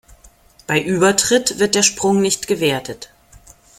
Bei Übertritt wird der Sprung nicht gewertet.